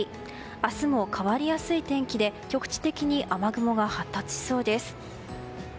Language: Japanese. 明日も変わりやすい天気で局地的に雨雲が発達しそうです。